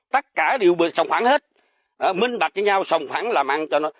tất cả đều sòng khoảng hết minh bạch với nhau sòng khoảng làm ăn cho nó